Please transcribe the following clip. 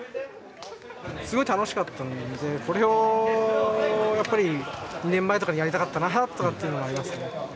すごい楽しかったのでこれをやっぱり２年前とかにやりたかったなあとかっていうのはありますね。